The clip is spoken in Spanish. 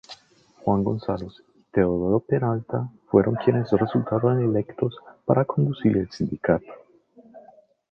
Juan Gonzáles y Teodoro Peralta fueron quienes resultaron electos para conducir el sindicato.